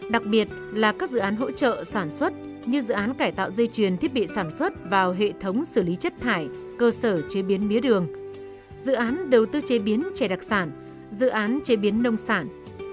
đặc biệt là các dự án hỗ trợ sản xuất như dự án cải tạo dây chuyền thiết bị sản xuất vào hệ thống xử lý chất thải cơ sở chế biến mía đường dự án đầu tư chế biến chế đặc sản dự án chế biến nông sản